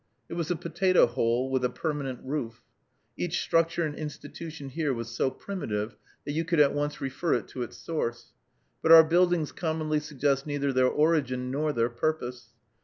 It was a potato hole with a permanent roof. Each structure and institution here was so primitive that you could at once refer it to its source; but our buildings commonly suggest neither their origin nor their purpose.